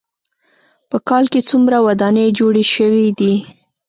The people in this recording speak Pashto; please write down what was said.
په کال کې څومره ودانۍ جوړې شوې دي.